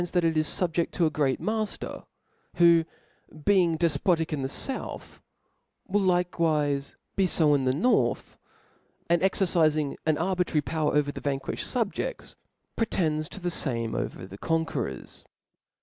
^^ that they are fubjeft to a great mailer, who, being dcipotic in the fouth^ will likewife be (b in the north, and exercifing an arbitrary power over the . Y^nq^J^^^d fubjefts, pretends to . the fame over the conquerors.